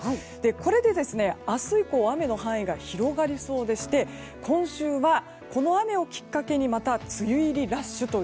これで明日以降雨の範囲が広がりそうでして今週は、この雨をきっかけにまた梅雨入りラッシュと